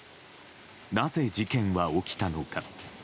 なぜ事件は起きたのか？